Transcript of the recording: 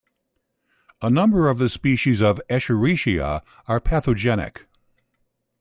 A number of the species of "Escherichia" are pathogenic.